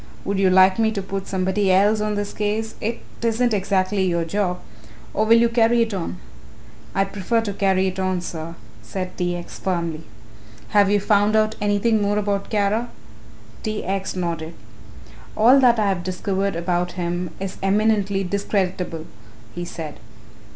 Would you like me to put somebody else on this case it isn't exactly your job or will you carry it on?" "I prefer to carry it on, sir," said T. X. firmly. "Have you found out anything more about Kara?" T. X. nodded. "All that I have discovered about him is eminently discreditable," he said.